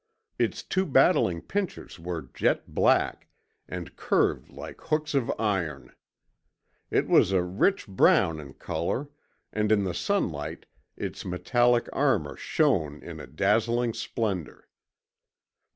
Its two battling pincers were jet black, and curved like hooks of iron. It was a rich brown in colour and in the sunlight its metallic armour shone in a dazzling splendour.